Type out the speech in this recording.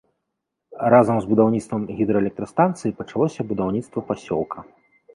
Разам з будаўніцтвам гідраэлектрастанцыі пачалося будаўніцтва пасёлка.